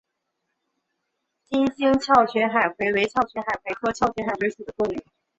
金星鞘群海葵为鞘群海葵科鞘群海葵属的动物。